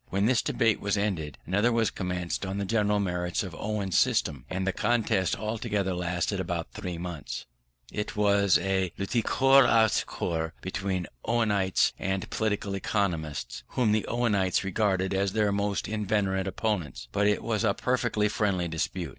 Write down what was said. When this debate was ended, another was commenced on the general merits of Owen's system: and the contest altogether lasted about three months. It was a lutte corps à corps between Owenites and political economists, whom the Owenites regarded as their most inveterate opponents: but it was a perfectly friendly dispute.